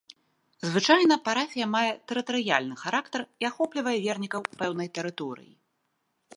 Звычайна, парафія мае тэрытарыяльны характар і ахоплівае вернікаў пэўнай тэрыторыі.